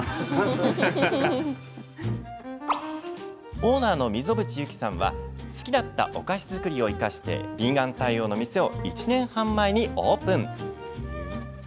オーナーの溝渕由樹さんは好きだったお菓子作りを生かしてヴィーガン対応の店を１年半前にオープン。